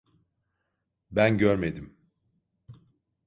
Ben görmedim.